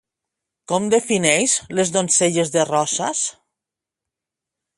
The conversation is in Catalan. Com defineix les donzelles de Roses?